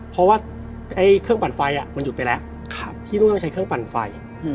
เพราะว่าเครื่องปั่นไฟมันหยุดไปแล้วที่นู่นต้องใช้เครื่องปั่นไฟ